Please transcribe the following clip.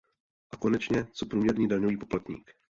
A konečně, co průměrný daňový poplatník?